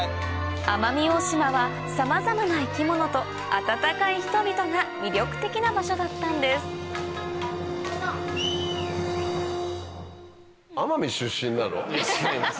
奄美大島はさまざまな生き物と温かい人々が魅力的な場所だったんですいえ違います。